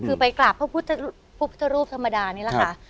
คือไปกราบพระพุทธรูปธรรมดานี่แหละค่ะ